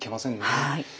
はい。